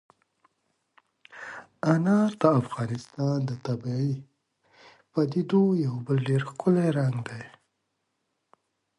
انار د افغانستان د طبیعي پدیدو یو بل ډېر ښکلی رنګ دی.